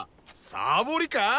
サボりか！？